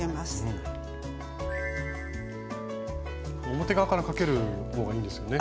表側からかける方がいいんですよね。